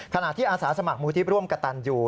ขณะที่อาสาสมัครมูลที่ร่วมกระตันอยู่